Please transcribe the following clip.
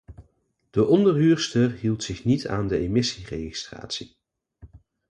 De onderhuurster hield zich niet aan de emissieregistratie.